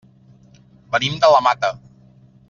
Venim de la Mata.